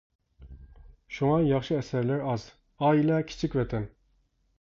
شۇڭا ياخشى ئەسەرلەر ئاز ئائىلە-كىچىك ۋەتەن.